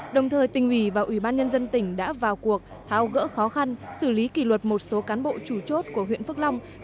đồng thời tỉnh ủy và ủy ban nhân dân tỉnh đã vào cuộc tháo gỡ khó khăn xử lý kỷ luật một số cán bộ chủ chốt của huyện phước long